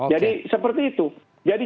jadi seperti itu jadi